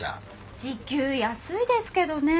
時給安いですけどね。